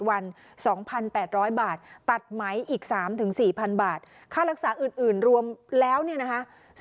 วัน๒๘๐๐บาทตัดไหมอีก๓๔๐๐๐บาทค่ารักษาอื่นรวมแล้วเนี่ยนะคะ